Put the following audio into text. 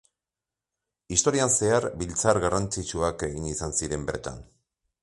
Historian zehar biltzar garrantzitsuak egin izan ziren bertan.